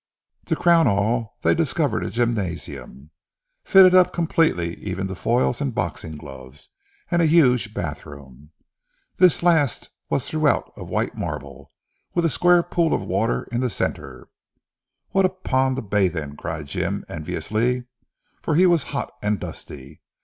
To crown all they discovered a gymnasium fitted up completely even to foils and boxing gloves: and a huge bathroom. This last was throughout of white marble, with a square pool of water in the centre. "What a pond to bathe in!" cried Jim enviously, for he was hot and dusty.